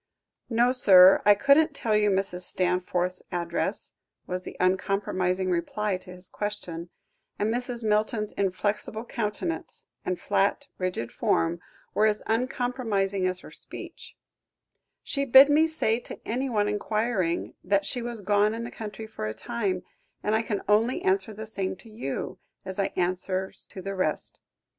"No, sir, I couldn't tell you Mrs. Stanforth's address," was the uncompromising reply to his question, and Mrs. Milton's inflexible countenance, and flat, rigid form were as uncompromising as her speech; "she bid me say to anyone enquiring, that she was gone in the country for a time, and I can only answer the same to you, as I answers to the rest.